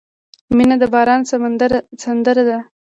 • مینه د باران سندره ده.